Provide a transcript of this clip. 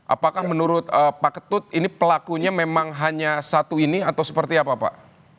apakah menurut pak ketut ini pelakunya memang hanya satu ini atau seperti apa pak